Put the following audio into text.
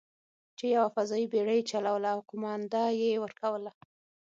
چې یوه فضايي بېړۍ یې چلوله او قومانده یې ورکوله.